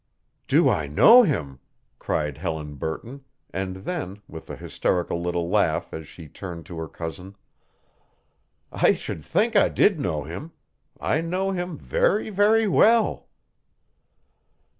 "Do I know him?" cried Helen Burton, and then, with a hysterical little laugh as she turned to her cousin, "I should think I did know him. I know him very, very well."